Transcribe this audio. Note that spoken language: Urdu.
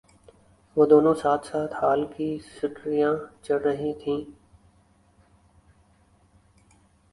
وہ دونوں ساتھ ساتھ ہال کی سٹر ھیاں چڑھ رہی تھیں